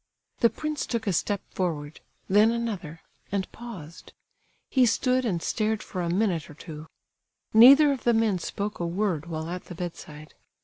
The prince took a step forward—then another—and paused. He stood and stared for a minute or two. Neither of the men spoke a word while at the bedside.